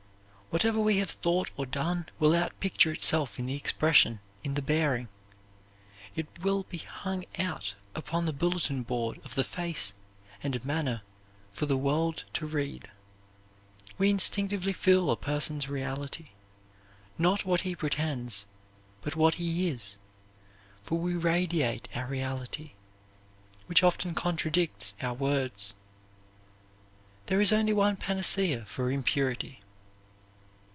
Whatever we have thought or done will outpicture itself in the expression, in the bearing. It will be hung out upon the bulletin board of the face and manner for the world to read. We instinctively feel a person's reality; not what he pretends, but what he is, for we radiate our reality, which often contradicts our words. There is only one panacea for impurity.